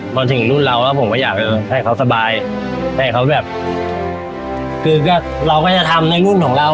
พอถึงรุ่นเราแล้วผมก็อยากให้เขาสบายให้เขาแบบคือก็เราก็จะทำในหุ้นของเรา